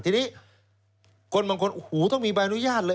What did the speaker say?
ทีนี้คนบางคนโอ้โหต้องมีใบอนุญาตเลย